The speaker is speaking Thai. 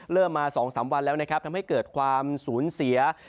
มา๒๓วันแล้วนะครับทำให้เกิดความสูญเสีย